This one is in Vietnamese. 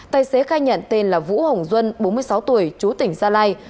tài xế khai nhận tên là vũ hồng duân bốn mươi sáu tuổi chú tỉnh gia lai